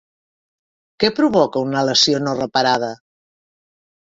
Què provoca una lesió no reparada?